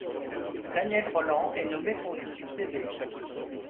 Daniel Rolland est nommé pour lui succéder.